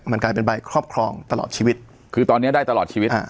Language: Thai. มันกลายเป็นใบครอบครองตลอดชีวิตคือตอนนี้ได้ตลอดชีวิต